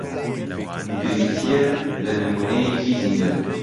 بریتییە لە نموونەیەکی زیندوو